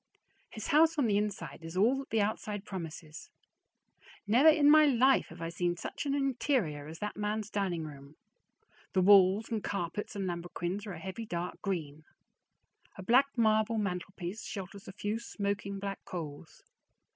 His house on the inside is all that the outside promises. Never in my life have I seen such an interior as that man's dining room. The walls and carpets and lambrequins are a heavy dark green. A black marble mantelpiece shelters a few smoking black coals.